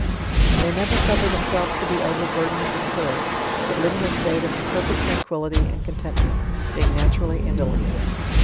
They never suffer themselves to be overburthened with care; but live in a state of perfect tranquility and content ment, being naturally indolent.